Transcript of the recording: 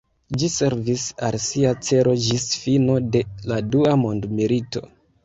Ĝi servis al sia celo ĝis fino de la dua mondmilito.